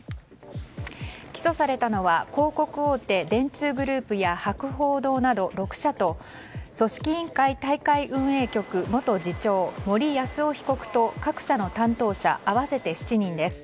起訴されたのは広告大手電通グループや博報堂など６社と組織委員会大会運営局元次長森泰夫被告と各社の担当者合わせて７人です。